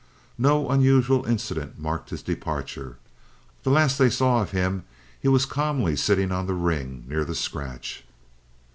No unusual incident marked his departure. The last they saw of him he was calmly sitting on the ring near the scratch.